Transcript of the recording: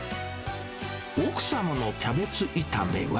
奥様のキャベツ炒めは？